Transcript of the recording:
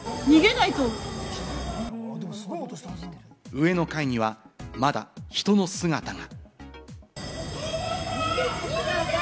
上の階にはまだ人の姿が。